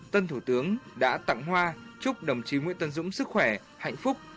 tân thủ tướng đã tặng hoa chúc đồng chí nguyễn tân dũng sức khỏe hạnh phúc